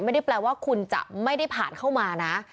ไม่ได้แปลว่าคุณจะไม่ได้ผ่านเข้ามานะ